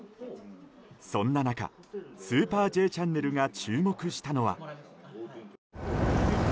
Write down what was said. そんな中「スーパーＪチャンネル」が注目したのは。